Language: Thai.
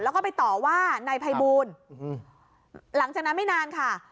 แล้วก็ไปต่อว่านายภัยบูลหลังจากนั้นไม่นานค่ะ